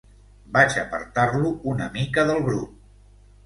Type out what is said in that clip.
Vaig apartar-lo una mica del grup.